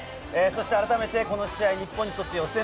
この試合は日本にとって予選